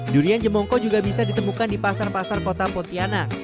durian jemongko juga bisa ditemukan di pasar pasar kota pontianak